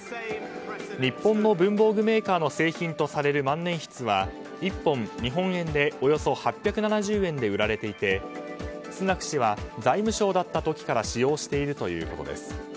日本の文房具メーカーの製品とされる万年筆は１本、日本円でおよそ８７０円で売られていてスナク氏は、財務相だった時から使用しているということです。